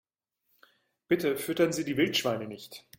Bitte füttern Sie die Wildschweine nicht!